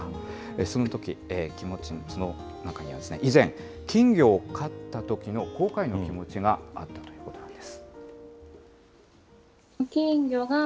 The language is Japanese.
そのとき、その中には、以前、金魚を飼ったときの後悔の気持ちがあったということなんです。